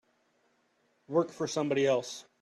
Work for somebody else.